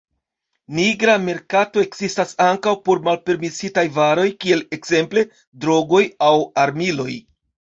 Nigra merkato ekzistas ankaŭ por malpermesitaj varoj kiel ekzemple drogoj aŭ armiloj.